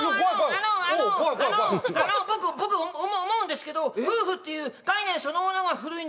あのあのわっ怖い怖い怖い僕僕思うんですけど夫婦っていう概念そのものが古いんです